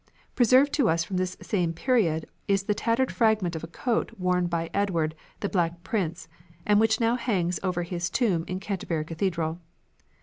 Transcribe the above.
Preserved to us from this same period is the tattered fragment of a coat worn by Edward, the Black Prince, and which now hangs over his tomb in Canterbury Cathedral.